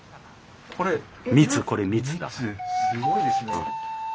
蜜すごいですね。